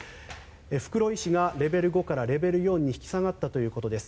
袋井市がレベル５からレベル４に引き下がったということです。